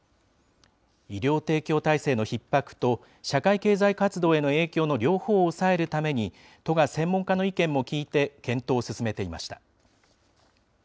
医療提供体制のひっ迫と社会経済活動への影響の両方を抑えるために、都が専門家の意見も聞いて検討を進めていました。